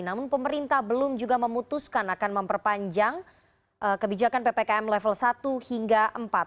namun pemerintah belum juga memutuskan akan memperpanjang kebijakan ppkm level satu hingga empat